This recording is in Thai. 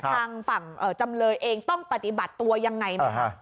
ทางฝั่งจำเลยเองต้องปฏิบัติตัวยังไงไหมคะ